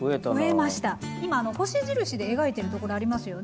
今星印で描いてるところありますよね。